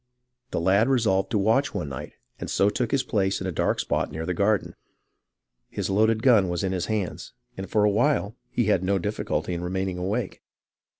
The lad resolved to watch one night, and so took his place in a dark spot near the garden. His loaded gun was in his hands, and for a while he had no difficulty in remaining awake.